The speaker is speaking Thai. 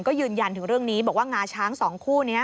ก็ยืนยันถึงเรื่องนี้บอกว่างาช้าง๒คู่นี้